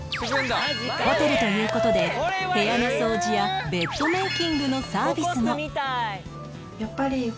ホテルという事で部屋の掃除やベッドメイキングのサービスも